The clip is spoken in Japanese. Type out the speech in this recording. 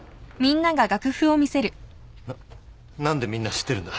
な何でみんな知ってるんだ？